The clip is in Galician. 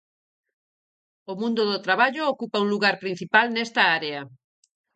O mundo do traballo ocupa un lugar principal nesta área.